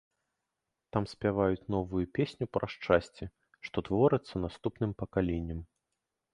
Там спяваюць новую песню пра шчасце, што творыцца наступным пакаленням.